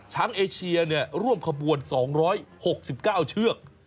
ช้างเอเชียเนี่ยร่วมขบวน๒๖๙เชือก